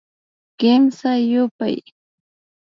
Kimsa yupay